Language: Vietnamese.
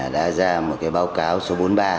đã ra một báo cáo số bốn mươi ba